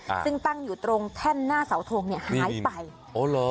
ซึ่งตั้งอยู่ตรงแท่นหน้าเสาทงเนี้ยหายไปอ๋อเหรอ